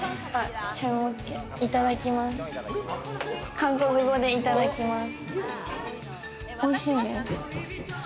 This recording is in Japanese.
韓国語でいただきます。